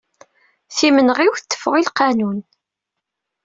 Timenɣiwt teffeɣ i lqanun.